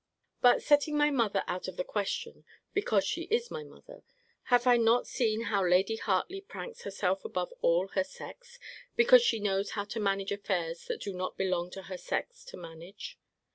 But, setting my mother out of the question, because she is my mother, have I not seen how Lady Hartley pranks up herself above all her sex, because she knows how to manage affairs that do not belong to her sex to manage?